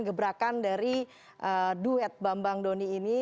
gebrakan dari duet bambang doni ini